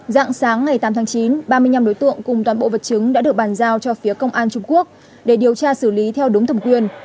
dạng sáng ngày tám tháng chín ba mươi năm đối tượng cùng toàn bộ vật chứng đã được bàn giao cho phía công an trung quốc để điều tra xử lý theo đúng thẩm quyền